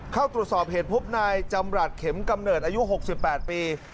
เข้าตรวจสอบเหตุพบนายจำรัฐเข็มกำเนิดอายุ๖๘ปี